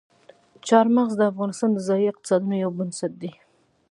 چار مغز د افغانستان د ځایي اقتصادونو یو بنسټ دی.